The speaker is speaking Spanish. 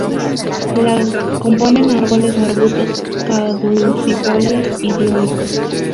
La componen árboles o arbustos caducifolios y dioicos.